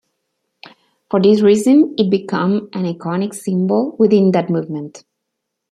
For this reason, it become an iconic symbol within that movement.